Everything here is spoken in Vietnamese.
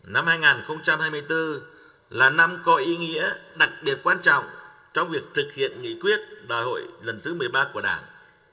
năm hai nghìn hai mươi bốn là năm có ý nghĩa đặc biệt quan trọng trong việc thực hiện nghị quyết đại hội lần thứ một mươi ba của đảng